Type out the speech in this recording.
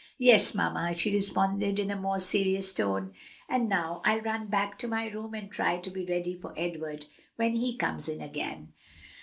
"Yes, mamma," she responded in a more serious tone. "And now, I'll run back to my room and try to be ready for Edward when he comes in again."